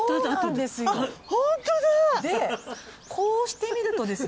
でこうしてみるとですね。